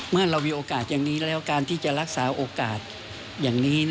เมื่อเรามีโอกาสอย่างนี้แล้วการที่จะรักษาโอกาสอย่างนี้